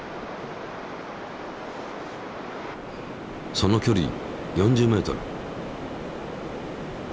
その距離４０ｍ。